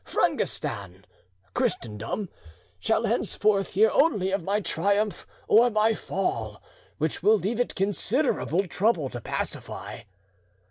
Frangistan (Christendom) shall henceforth hear only of my triumph or my fall, which will leave it considerable trouble to pacify."